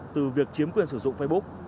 từ việc chiếm quyền sử dụng facebook